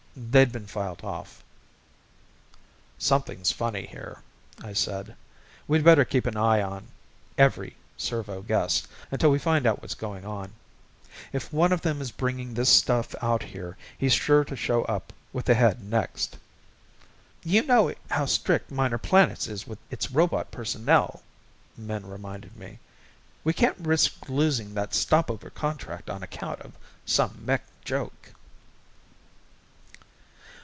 They'd been filed off. "Something's funny here," I said. "We'd better keep an eye on every servo guest until we find out what's going on. If one of them is bringing this stuff out here he's sure to show up with the head next." "You know how strict Minor Planets is with its robot personnel," Min reminded me. "We can't risk losing that stopover contract on account of some mech joke."